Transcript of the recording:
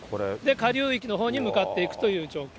下流域のほうに向かっていくという状況。